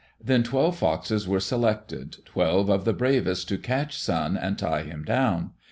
Then twelve Foxes were selected twelve of the bravest to catch Sun and tie him down.